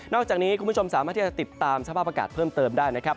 อกจากนี้คุณผู้ชมสามารถที่จะติดตามสภาพอากาศเพิ่มเติมได้นะครับ